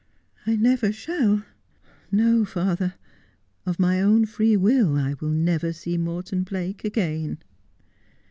' I never shalL No, father, of my own free will I will never see Morton Blake again.'